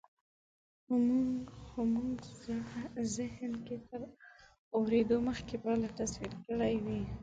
خو مونږ زهن کې تر اورېدو مخکې پایله تصور کړې وي